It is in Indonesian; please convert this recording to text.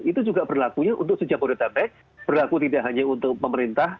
itu juga berlakunya untuk sejak bodetabek berlaku tidak hanya untuk pemerintah